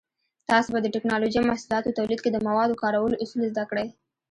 تاسو به د ټېکنالوجۍ محصولاتو تولید کې د موادو کارولو اصول زده کړئ.